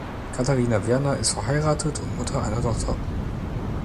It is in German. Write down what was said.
Katharina Werner ist verheiratet und Mutter einer Tochter.